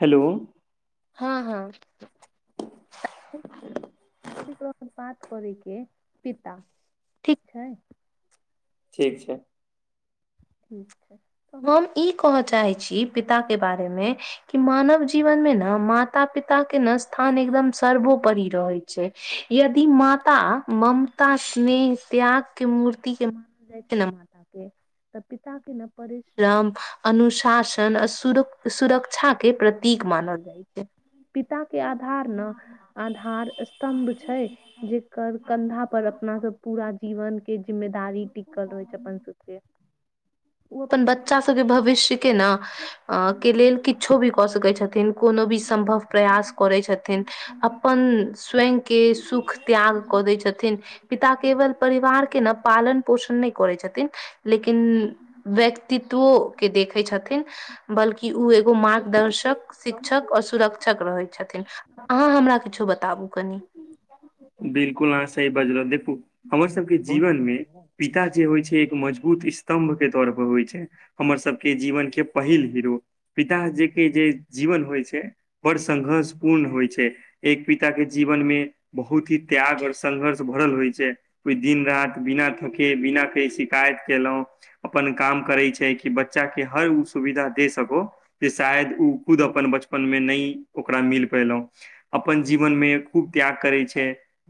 Hello हँ हँ [inaudible] करै के पिता ठीक हय ठीक छै ठीक हम ई कह चाहै छी पिता के बारे मे कि मानव जीवन मे ने मा माता पिता के न स्थान एकदम सर्वोपरि रहै यदि माता ममता स्नेह त्याग के मूर्ति के मानल जाइ छै ने माता के तऽ पिता के न परिश्रम अनुशासन आ सुरो सुरक्षा के प्रतीक मानल जाइ छै पिता के आधार न आधार स्तम्भ छै। जेकर कन्धा पर अपना सब पूरा जीवन के जिम्मेदारी टिकल रहै छै अपन सब के ओ अपन बच्चा सब के भविष्य के न अ के लेल किछो भी कऽ सकै छथिन कोनो भी सम्भव प्रयास करै छथिन अपन स्वयं के सुख त्याग कऽ दै छथिन। पिता केवल परिवार के न पालन पोषण नै करै छथिन लेकिन उंम्म व्यक्तित्वो के देखै छथिन। बल्कि उ एगो मार्गदर्शक शिक्षक और सुरक्षक रहै छथिन। अहाँ हमरा किछो बताबू कनी। बिल्कुल अहाँ सही बजलौं देखू हमर सबके जीवन मे पिता जे होइ छै एक मजबूत स्तम्भ के तौर पर होय छै हमर सब के जीवन के पहिल हीरो पिताह जे के जे जीवन होइ छै बड़ संघर्ष पूर्ण होइ छै एक पिता के जीवन मे बहुत ही त्याग और संघर्ष भरल होइ छै कोय दिन राति बिना थके बिना कहे शिकायत केलौं अपन काम करै छय कि बच्चा के हर उ सुविधा दे सको जे शायद उ खुद अपन बचपन मे नै ओकरा मिल पयलौ अपन जीवन मे खूब त्याग करै छै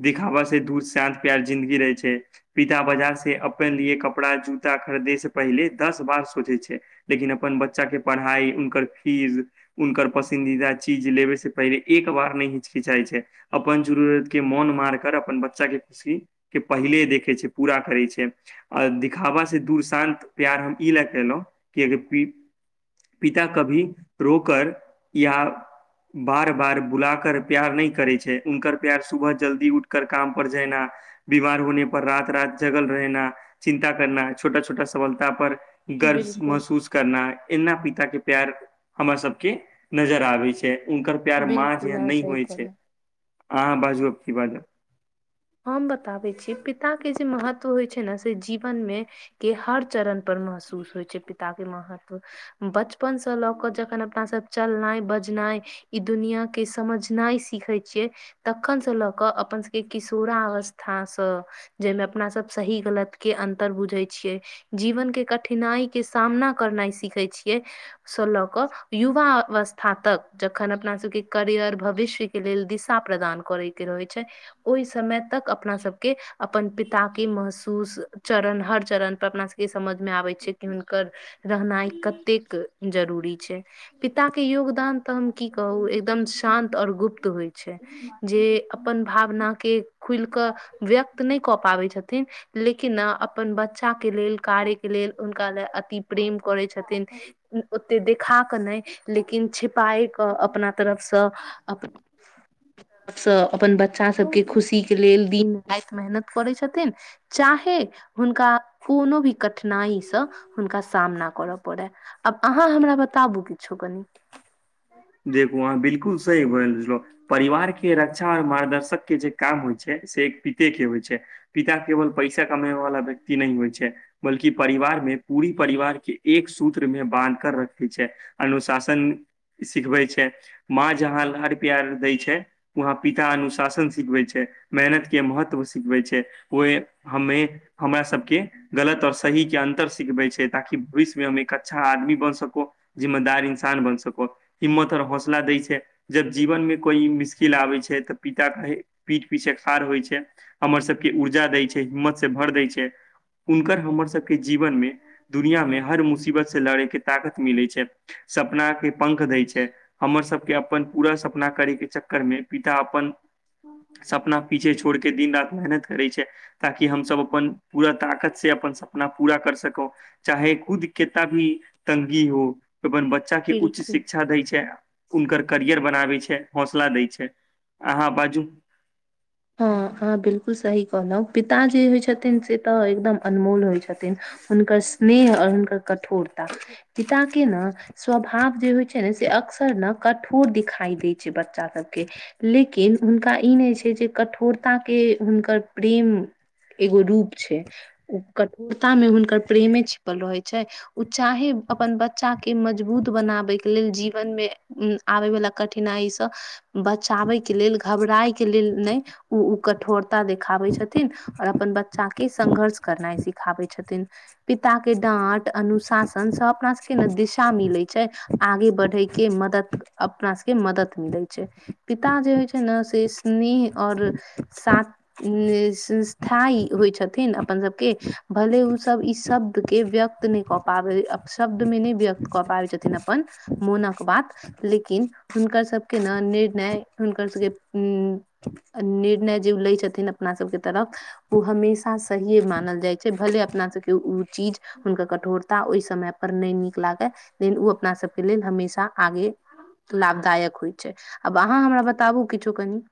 देखाबा से दूध शाँझ प्यार जिन्दगी रहै छै पिता बाजार से अपन लिये कपड़ा जूता खरीदे से पहिले दस बार सोचै छै लेकिन अपन बच्चाके पढ़ाइ उनकर फीस उनकर पसन्दीदा चीज लेबै से पहिले एक बार नहि हिचिचाइ छै अपन जूरूरत के मन मारकर अपन बच्चा के खुशी के पहिले देखे छै पूरा करै छै आ दिखाबा से दूर शान्त प्यार हम ई लए केलहुँं कि अगर पिता कभी रोकर प्यार बार बार बुला कर प्यार नै करे छै उनकर प्यार सुबह जल्दी उठकर काम पर जैना बीमार होने पर रात रात जगल रहेना चिन्ता करना छोटा छोटा सफलता पर ई गर्वस् बिल्कुल महसूस करना एना पित के प्यार हमरा सब के नजर आबे छै उनकर प्यार माँ बिल्कुल जेहन अहाँ नै सही होइ कहलौं छै अहाँ बाजू आब की बाजब हम बताबै छी पिताके जे महत्व होइ छै ने से जीवनमे कि हर चरण पर महसूस होइ छै पिता के महत्व बचपनस लऽ कऽ जखन अपना सब चलनाइ बजनाइ ई दुनिया के समझनाइ सीखै छियै तखन स लऽ क अपन सबके कि पूरा अवस्था स जेहन अपना सब सही गलत के अंतर बुझै छियै जीवन के कठिनाइ के सामना करनाइ सिखै छियै स लक युवा अवस् था तक जखन अपना सब के करियर भविष्य के लेल दिशा प्रदान करै के रहय छै ओई समय तक अपना सबके अपन पिता के महसूस चरण हर चरण पर अपना सबके ई समझ मे आबै छै कि हुनकर रहनाइ कतेक जरूरी छै पिता के योगदान तऽ हम की कहू एकदम शान्त आओर गुप्त होइ छै जे अपन भावनाके खुलि कऽ व्यक्त नहि कऽ पाबै छथिन लेकिन अपन बच्चा बच्चा के लेल कार्य के लेल हुनका लए अति प्रेम करै छथिन ओते देखा कऽ नहि लेकिन छिपाए क अपना तरफसँ अपन स अपन बच्चा सबके खुशी के लेल दिन राति मेहनत करै छथिन चाहे हुनका कोनो भी कठिनाईसँ हुनका सामना करय पड़य आब आहाँ हमरा बताबु किछो कनि देखू अहाँ बिलकुल सही बजलौं परिवार के रक्षा और मार्गदर्शक के जे काम होइ छै से एक पिते के होइ छै पिता केवल पैसा कमेवे वला व्यक्त नहि होइ छै बल्कि परिवार मे पूरी परिवार के एक सूत्र मे बान्ध कर रखै छै अनुशासन सिखबै छै माँ जहाँ लार प्यार दै छै वहाँ पिता अनुशासन सिखबै छै मेहनत के महत्व सिखबै छै ओहि हमे हमरा सबके गलत आओर सही के अन्तर सिखबै छै ताकि भविष्यमे हम एक अच्छा आदमी बन सको जिम्मेदार इन्सान बन सको हिम्मत आओर हौसला दै छै जब जीवन मे कोइ मुश्किल आबै छै तऽ पिता कहे पीठ पीछे खाड़ होइ छै हमर सबके ऊर्जा दै छै हिम्मत से भर दै छै हुनकर हमर सबके जीवन मे दुनियामे हर मुसीबत से लड़ेके ताकत मिलैत छै सपना के पंख दै छै हमर सबके अपन पूरा सपना करै के चक्कर मे पिता अपन सपना पीछे छोड़के दिन रात मेहनत करै करै छै ताकि हम सभ अपन पूरा ताकत से अपन सपना पूरा कर सकू चाहे खुद केतना भी तंगी हो अपन बच्चा के उच्च बिल्कुल शिक्षा दै छै हुनकर करियर बनाबै छै हौसला दै छै। अहाँ बाजू हँ अहाँ बिलकुल सही कहलहुँ पिता जे होइ छथिन से त एकदम अनमोल होइ छथिन हुनकर स्नेह अओर हुनकर कठोरता पिता के ने स्वभाव जे होइ छै छने से अक्सर कठोर दिखाई दै छै बच्चा सबके लेकिन हुनका ई नहि छै कठोरता के हुनकर प्रेम एगो रूप छै कठोरता मे हुनकर प्रेमे छिपल रहे छै ओ चाहे अपन बच्चा के मजबूत बनाबैके लेल जीवन मे आबे वालला कठिनाइसँ बचाबे के लेल घबराय के लेल न ओ ओ कठोरता देखाबै छथिन आओर अपन बच्चा के संघर्ष करनाइ सिखाबै छथिन पिता के डाँट अनुशासन सँ अपना सबके ने दिशा मिले छै आगे बढ़े के मदद अपना सबके मदद मिलै छै पिता जे होइ छै ने से स्नेह अओर साथ संस्था होइ छथिन अपन सभके‌ भले ऊसभ ई शब्द के व्यक्त नहि क पाबै शब्द मे नहि व्यक्त क पाबै छथिन अपन मोनक बात लेकिन हुनकर सबके ने निर्णय हुनकर सबके उ निर्णय जे लै छथिन अपना सबके तरफ ऊ हमेशा सहिए मानल जाइ छै भले अपना सबके ऊ चीज हुनकर कठोरता ओह समय पर नहि नीक लागय लेकिन ओ अपना सभके लेल हमेशा आगे लाभदायक होइत छै आब अहाँ हमरा बताबू किछो कनि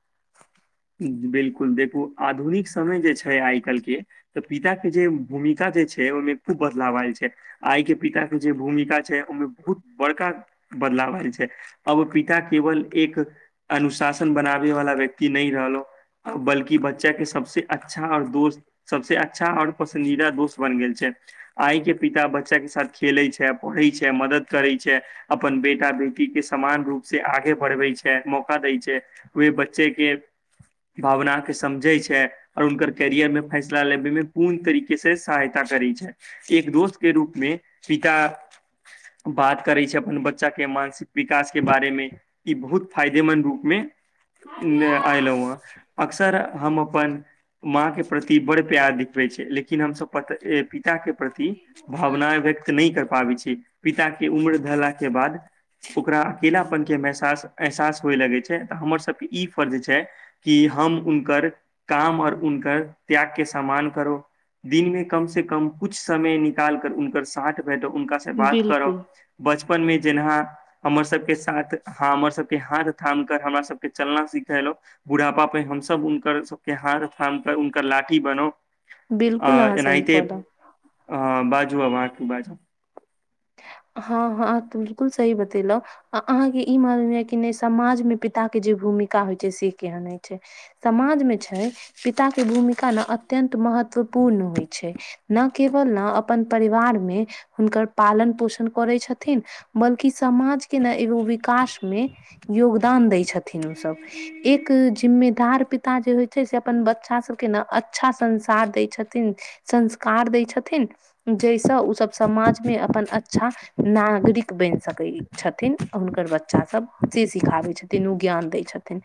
बिलकुल देखू आधुनिक समय जे छै आइ काल्हि के तऽ पिताक के जे भूमिका जे छै ओहिमे खूब बदलाव आयल छै आइ के पिता के जे भूमिका छै ओहिमे बहुत बड़का बदलाव आयल छै अब पिता केवल एक अनुशासन बनाबै वाला व्यक्ति नहि रहलो बल्कि बच्चा के सबस अच्छा आओर दोस्त सबसे अच्छा अओर पसन्दीदा दोस्त बन गेल छैथ आइ के पिता बच्चा के साथ खेले छै पढ़ैत छै मदद करे छै अपन बेटा बेटी के समान रूप से आगे बढ़बै छै मौका दै छै ओहे बच्चे के भावना के समझै छै अओर उनकर कैरियर में फैसला लेबे मे पूर्ण तरीके से सहायता करै छै एक दोस्त के रूपमे पिता बात करै छै अपन बच्चा के मानसिक विकास के बारे मे ई बहुत फायदेमन्द रूपमे। आयलौ हा अक्सर हम। अपन माँ के प्रति बड़ प्यार दिखबै छै लेकिन हमसब प। पिता के प्रति भावनाए व्यक्त नै कर पाबै छि पिता के उम्र धेला के बाद। ओकरा अकेलापन के मेहसास एहसास होए लगै छै त हमर सब के ई फर्ज छै। है कि हम उनकर काम और उनकर त्याग के सम्मान करो। दिनमे कम से कम कुछ समय निकाल कर उनक साथ बैठो उनका से बात करो। बिलकुल बचपनमे जेनाह। हमर सबके साथ ह हमर सबके हाथ थाम कर हमरा सबके चलना सिखेलौ। बूढ़ापा पे हमसभ हुनकर सबके हाथ थाम कर हुनकर लाठी बनौउ। आ बिलकुल अहाँ सही एनाते कहलौं अ बाजू आ अब आहाँ कि बाजब। हँ हँ त बिल्कुल सही बतेलौ। आ अहाँके ई मालू य कि नहि समाजमे पिता के जे भूमिका होइ छै से केहन होइ छै। समाज मे छै पिता के भूमिका न अत्यंत महत्वपूर्ण होइ छै। न केवल न अपन परिवार मे हुनकर पालन पोषण। करै छथिन बल्कि समाज के ने एगो विकास मे। योगदान दै छथिन ओसब एक जिम्मेदार पिता जे होइ छै से अपन बच्चा सबके न अच्छा संसार दै छथिन संस्कार दै छथिन जाहिसँ ओसब समाजमे अपन अच्छा नागरिक बनि सकैई छथिन हुनकर बच्चा सब अथि सिखाबै छथिन ओ ज्ञान दै छथिन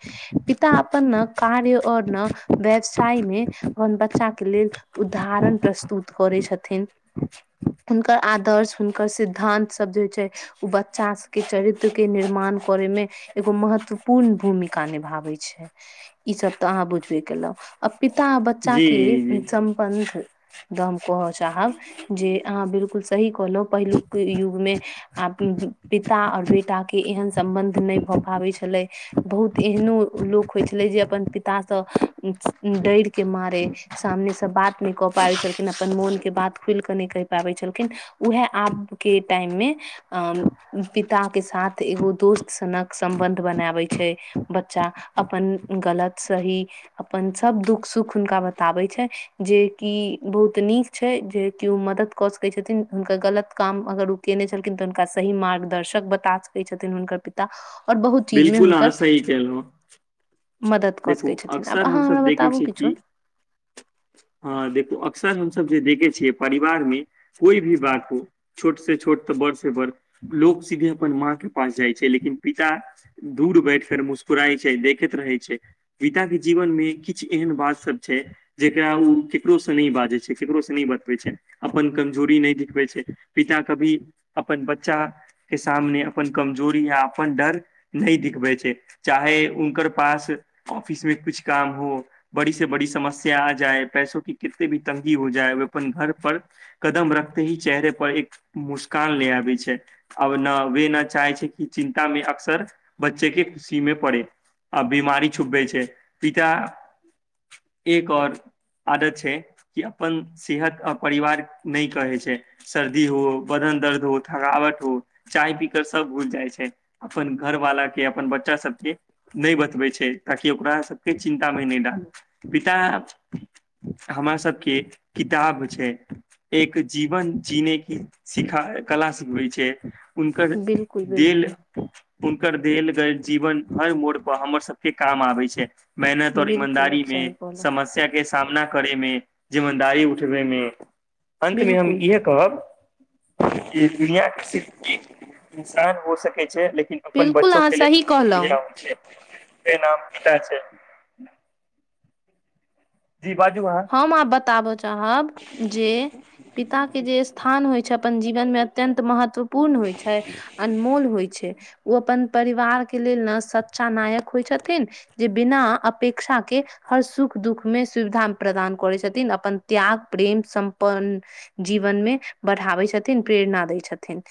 पिता अपन न कार्य और न व्यवसाय मे अपन बच्चा के लेल उद्धारण प्रस्तुत करै छथिन हुनकर आदर्श हुनकर सिद्धान्त सब जे होय छै ओ बच्चा सबके चरित्र के निर्माण कोरै मे एगो महत्वपूर्ण भूमिका निभाबै छै ई सब तऽ अहाँ बुझबे केलौं आ पिता बच्चा जी के जी चम बंध द हम कहऽ चाहब जे अहाँ बिलकुल सही कहलौ पहिलुक के युगमे आ पिता आ बेटा के एहन सम्बन्ध नहि भऽ पाबै छलै बहुत एहनो लोक होइ छलै जे अपन पितासँ डैर के मारे सामने स बात नइ कऽ पाबै छलखिन अपन मोन के बात खुलि कऽ नै कहि पाबै छलखिन उएह आब के टाइम मे अ पिता के साथ एगो दोस्त सनक सम्बन्ध बनाबै छै बच्चा अपन गलत सही अपन सब दुःख सुख हुनका बताबै छै जेकि बहुत नीक छै जे केओ मदद कऽ सकै छथिन हुनकर गलत काम अगर ओ केने छलखिन तऽ हुनका सही मार्गदर्शक बता सकैत छथिन हुनकर पित ता और बहुत चीजमे बिलकुल अहाँ हुनकर सही केलहुँ मदद कऽ देखू सकै छथिन अक्सर आब अहाँ हमसभ हमरा देखै बताबू छियै कि किछो हँ देखू अक्सर हमसब जे देखै छियै जे परिवार मे कोइ भी बात हो छोट से छोट तऽ बड़ से बड़ लोक सीधे अपन माँ के पास जाइ छै लेकिन पिता दूर बैठ कर मुस्कुराइ छै देखैत रहै छै गीता के जीवन मे किछु एहन बात सब छै जेकरा ओ केकरोसँ नहि बाजै छै केकरोसँ नै बतबै छै अपन कमजोरी नै दिखबै छै पिता कभी अपन बच्चा के सामने अपन कमजोरी या अपन डर नै दिखबै छै चाहे उनकर पास ऑफिस मे कुछ काम हो बड़ी से बड़ी समस्या आ जाए पैसो के कितनो भी तंगी हो जाए ओ अपन घर पर कदम रखते ही चेहरे पर एक मुस्कान लै आबै छै अब न वे न चाहे छै कि चिन्ता मे अक्सर बच्चे के खुशी मे पड़े आ बीमारी छुपबै छै पिटा एक और आदत छै कि अपन सेहत आ परिवार नै कहै छै सर्दी हो बदन दर्द हो थकावट हो चाय पी कर सब भुइल जाइ छै अपन घरवाला के अपन बच्चा सबके नै बतबै छै ताकि ओकरा सबके चिन्ता मे नै डाल पिटा हमरा सबके किताब छै एक जीवन जीने कि सिखा कला सिखबै छै उनकर बिल्कुल देल बिल्कुल उनकर देल गैल जीवन हर मोड़ प हमर सबके काम आबै छै मेहनत और बिल्कुल ईमानदारी आब मे सही कहलहुँ समस्या के सामना करै मे जिमेदारी उठबै मे अन्तमे हम बिल्कुल इहे कहब कि दुनिया सिर्फ ईक इन्सान हो सकै छै लेकिन अपन बिल्कुल बच्चो अहाँ के सही कहलहुँ लेल छै नाम पित छै [unintelligible] जी बाजू अहाँ हम आब बताबऽ चाहब जे पिताके जे स्थान होइ छैय अपन जीवनमे अत्यंत महत्व पून होइ छैय अनमोल होइ छैय ओ अपन परिवारके लेल न सच्चा नायक होइ छथिन जे बिनाऽ अपेक्षा के हर सुख दुख मे सुविधा प्रदान कोरै छथिन अपन त्याग प्रेम समपन जीवनमे बढ़ाबै छथिन प्रेरणा दैय छथिन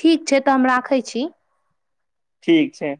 ठीक छै तऽ हम राखै छी। ठीक छैय